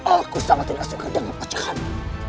aku sangat tidak suka dengan pecahannya